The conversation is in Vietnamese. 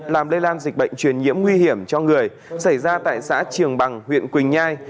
làm lây lan dịch bệnh truyền nhiễm nguy hiểm cho người xảy ra tại xã trường bằng huyện quỳnh nhai